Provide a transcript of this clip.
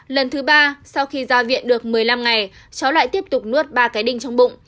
lần thứ ba sau khi ra viện được một mươi năm ngày cháu lại tiếp tục nuốt ba cái đinh trong bụng